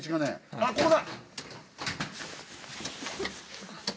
あっここだ！